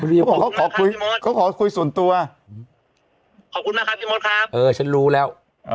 ก็ขอคุยส่วนตัวขอบคุณนะครับพี่มศครับเออฉันรู้แล้ว